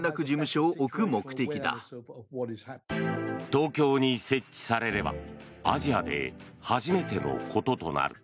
東京に設置されればアジアで初めてのこととなる。